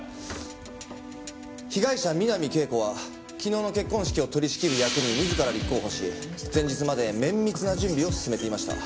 被害者三波圭子は昨日の結婚式を取り仕切る役に自ら立候補し前日まで綿密な準備を進めていました。